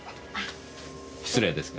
失礼ですが。